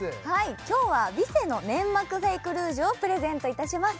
今日はヴィセのネンマクフェイクルージュをプレゼントいたします